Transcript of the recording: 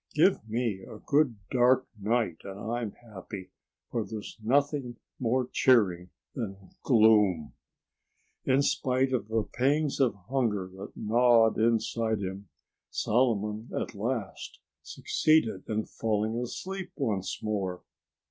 "Give me a good, dark night and I'm happy, for there's nothing more cheering than gloom." In spite of the pangs of hunger that gnawed inside him, Solomon at last succeeded in falling asleep once more.